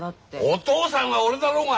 お父さんは俺だろうが！